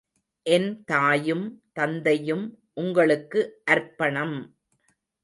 என் தாயும், தந்தையும் உங்களுக்கு அர்ப்பணம்!